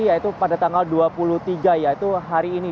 yaitu pada tanggal dua puluh tiga yaitu hari ini